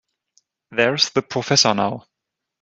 There's the professor now.